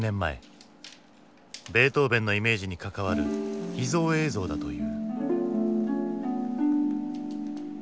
ベートーヴェンのイメージに関わる秘蔵映像だという。